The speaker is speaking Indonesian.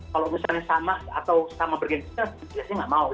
kalau misalnya sama atau sama bergenisnya biasanya gak mau